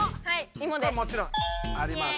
これもちろんあります。